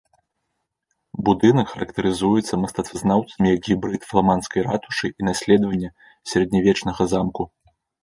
Будынак характарызуецца мастацтвазнаўцамі як гібрыд фламандскай ратушы і наследавання сярэднявечнага замку.